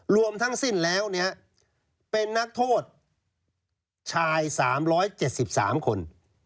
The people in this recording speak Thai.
รวมทั้งสิ้นแล้วเป็นนักโทษชาย๓๗๓คน